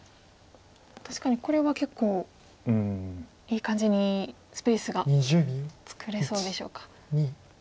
確かにこれは結構いい感じにスペースが作れそうでしょうか。